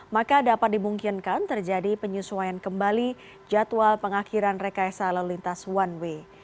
maka dapat dimungkinkan terjadi penyesuaian kembali jadwal pengakhiran rekayasa lalu lintas one way